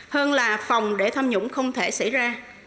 hơn là phòng để tham nhũng không thể xảy ra